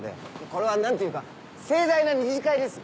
これは何ていうか盛大な２次会です！